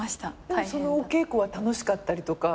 でもそのお稽古は楽しかったりとか。